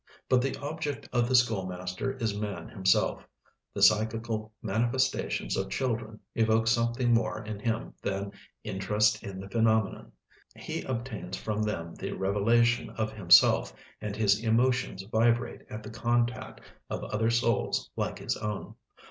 But the object of the schoolmaster is man himself; the psychical manifestations of children evoke something more in him than interest in the phenomenon; he obtains from them the revelation of himself, and his emotions vibrate at the contact of other souls like his own.